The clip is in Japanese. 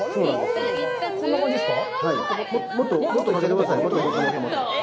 こんな感じですか？